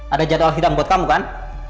ada jadwal sidang buat kamu kan